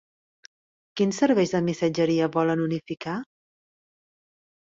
Quins serveis de missatgeria volen unificar?